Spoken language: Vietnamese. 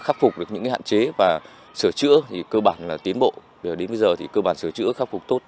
khắc phục được những hạn chế và sửa chữa thì cơ bản là tiến bộ đến bây giờ thì cơ bản sửa chữa khắc phục tốt